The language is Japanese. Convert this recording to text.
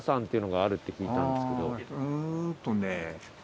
うーんとね。